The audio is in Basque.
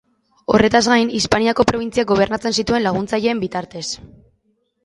Horretaz gain, Hispaniako probintziak gobernatzen zituen laguntzaileen bitartez.